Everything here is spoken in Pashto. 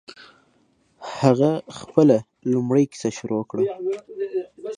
هغه خپله لومړۍ کیسه شروع کړه.